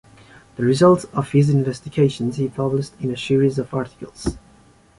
The results of his investigations he published in a series of articles.